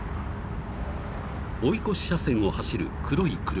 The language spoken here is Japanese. ［追い越し車線を走る黒い車］